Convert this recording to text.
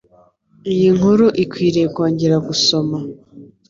Iyi nkuru ikwiriye kongera gusoma.